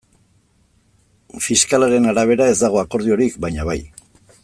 Fiskalaren arabera ez dago akordiorik, baina bai.